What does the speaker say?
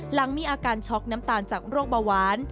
หลังมีอาการช็อกน้ำตาลจากโรคเบาหวาน